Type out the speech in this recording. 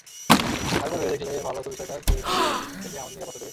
আরেকবার ভেবে দেখলে ভালো হতো বিষয়টা কে এই শয়তানদের থেকে আমাদের নিরাপত্তা দেবে?